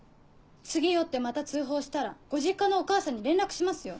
次酔ってまた通報したらご実家のお母さんに連絡しますよ。